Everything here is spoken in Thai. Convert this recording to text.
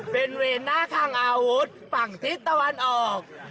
เป็นเว่นหน้าคลั่งอาวุธฝั่งที่ตะวันออก